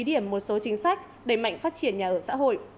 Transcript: đẩy mạnh phát triển nhà ở xã hội